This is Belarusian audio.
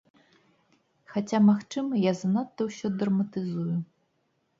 Хаця, магчыма, я занадта ўсё драматызую.